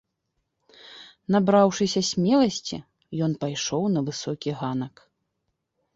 Набраўшыся смеласці, ён пайшоў на высокі ганак.